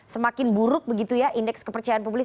semakin buruk indeks kepercayaan publik